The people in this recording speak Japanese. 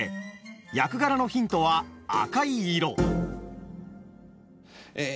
役柄のヒントは赤い色。